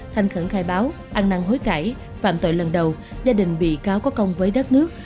thanh khẩn khai báo ăn năn hối cải phạm tội lần đầu gia đình bị cáo có công với đất nước